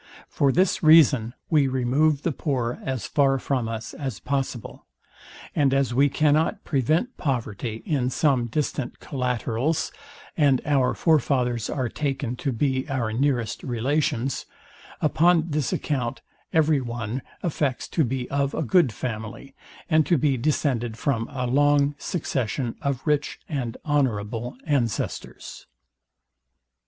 For this reason we remove the poor as far from us as possible; and as we cannot prevent poverty in some distant collaterals, and our forefathers are taken to be our nearest relations; upon this account every one affects to be of a good family, and to be descended from a long succession of rich and honourable ancestors.